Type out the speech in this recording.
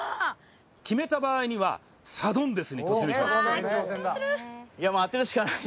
決めた場合にはサドンデスに突入します。